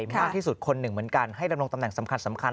มากที่สุดคนหนึ่งเหมือนกันให้ดำรงตำแหน่งสำคัญ